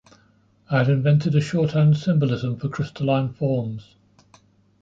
I had invented a shorthand symbolism for crystalline forms.